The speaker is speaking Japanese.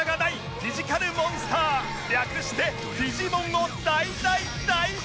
フィジカルモンスター略してフィジモンを大大大紹介！